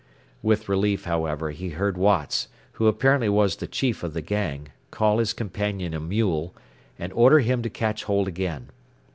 With relief, however, he heard Watts, who apparently was the chief of the gang, call his companion a mule, and order him to catch hold again.